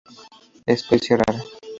Especie rara.